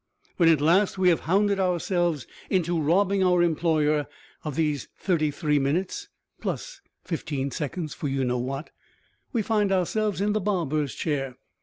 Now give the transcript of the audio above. When at last we have hounded ourself into robbing our employer of those thirty three minutes, plus fifteen seconds for you know what, we find ourself in the barber's chair.